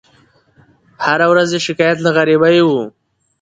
هره ورځ یې شکایت له غریبۍ وو